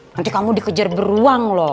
nanti kamu dikejar beruang loh